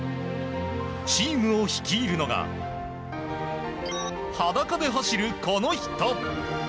チームを率いるのが裸で走るこの人。